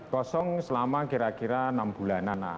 kosong selama kira kira enam bulanan